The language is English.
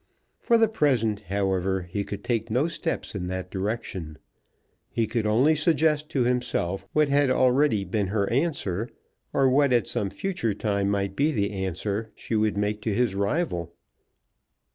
For the present, however, he could take no steps in that direction. He could only suggest to himself what had already been her answer, or what at some future time might be the answer she would make to his rival.